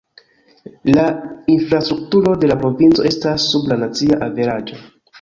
La infrastrukturo de la provinco estas sub la nacia averaĝo.